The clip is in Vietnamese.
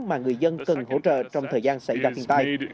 mà người dân cần hỗ trợ trong thời gian xảy ra thiên tai